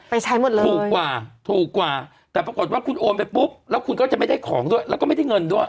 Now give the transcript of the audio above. ใช้หมดเลยถูกกว่าถูกกว่าแต่ปรากฏว่าคุณโอนไปปุ๊บแล้วคุณก็จะไม่ได้ของด้วยแล้วก็ไม่ได้เงินด้วย